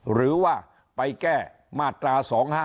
หรือว่าไปแก้มาตรา๒๕๖